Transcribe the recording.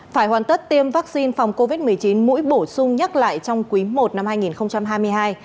phải hoàn tất tiêm vaccine phòng covid một mươi chín mũi bổ sung nhắc lại trong quý i năm hai nghìn hai mươi hai